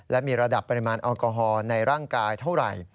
และมีระดับปริมาณแอลกอฮอล์ในร่างกายเท่าไหร่